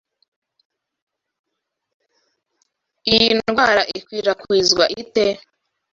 Iyi ndwara ikwirakwizwa ite?